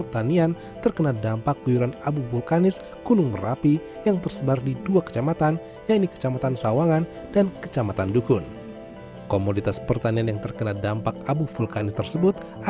tiga ribu sekarang sekarang cuma dua ribu atau seribu lima ratus kurang tahu nih terus dijual selakunya